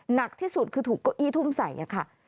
หนักที่สุดคือถูกเก้าอี้ทุ่มใส่ค่ะ